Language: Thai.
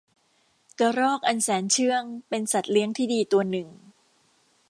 กระรอกอันแสนเชื่องเป็นสัตว์เลี้ยงที่ดีตัวหนึ่ง